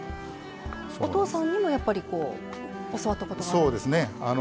お父さんにも、やっぱり教わったことがあるんですか？